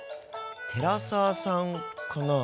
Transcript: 寺澤さんかな？